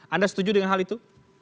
anda setuju dengan hal itu